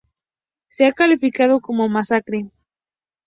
Se ha calificado como masacre.